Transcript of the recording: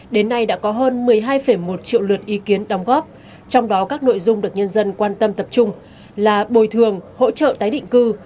đến nay đã có hơn một mươi hai một triệu lượt ý kiến đóng góp trong đó các nội dung được nhân dân quan tâm tập trung là bồi thường hỗ trợ tái định cư